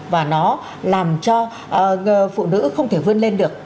và nó làm cho phụ nữ không thể vươn lên được